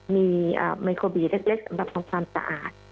มีไมโครบีเล็กสำหรับทำความสะอาด